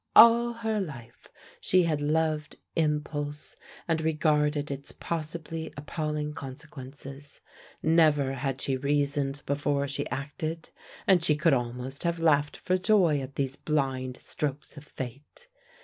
All her life she had loved impulse, and disregarded its possibly appalling consequences. Never had she reasoned before she acted, and she could almost have laughed for joy at these blind strokes of fate.